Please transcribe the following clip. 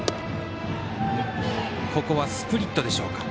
ここはスプリットでしょうか。